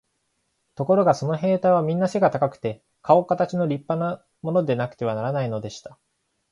ところがその兵隊はみんな背が高くて、かおかたちの立派なものでなくてはならないのでした。